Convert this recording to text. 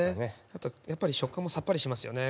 あとやっぱり食感もさっぱりしますよね